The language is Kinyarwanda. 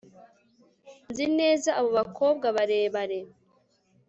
Nzi neza abo bakobwa barebare